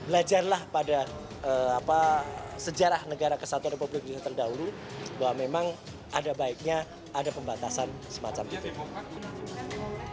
belajarlah pada sejarah negara kesatuan republik indonesia terdahulu bahwa memang ada baiknya ada pembatasan semacam itu